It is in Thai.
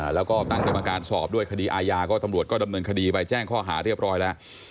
แล้วก็ตั้งกรรมการสอบด้วยคดีอาญาก็ตำรวจก็ดำเนินคดีไปแจ้งข้อหาเรียบร้อยแล้ว